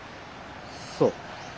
そう。